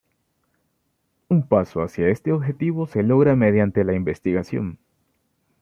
Un paso hacia este objetivo se logra mediante la investigación.